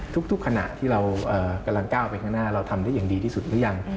ทุกขณะที่เรากำลังก้าวไปข้างหน้าเราทำได้อย่างดีที่สุดหรือยัง